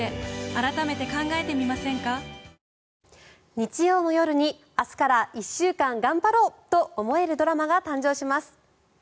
日曜の夜に明日から１週間頑張ろうと思えるドラマが誕生します。